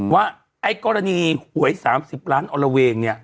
ว่าไอ้กรณีหวย๓๐ล้านออลละเวงเนี่ย